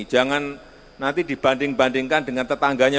jangan nanti dibanding bandingkan dengan tetangganya